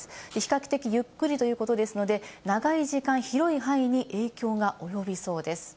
比較的ゆっくりということですので、長い時間、広い範囲に影響がおよびそうです。